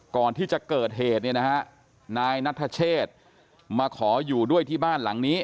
ก่อนที่จะเกิดเหตุเนี่ยนะฮะนายนัทเชษมาขออยู่ด้วยที่บ้านหลังนี้